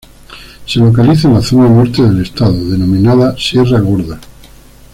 Se localiza en la zona norte del estado, denominada Sierra Gorda.